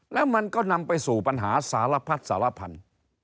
แล้วมันก็นำไปสู่ปัญหาสารพัดสารพันธุ์